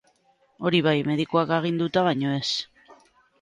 Hori bai, medikuak aginduta baino ez.